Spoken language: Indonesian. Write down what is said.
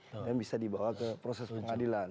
yang bisa dibawa ke proses pengadilan